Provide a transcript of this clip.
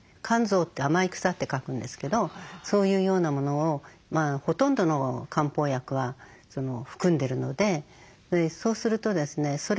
甘草って甘い草って書くんですけどそういうようなものをほとんどの漢方薬は含んでるのでそうするとですね